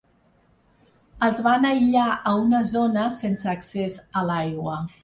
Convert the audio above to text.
Els van aïllar a una zona sense accés a l’aigua.